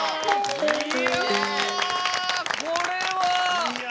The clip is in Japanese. いやこれは。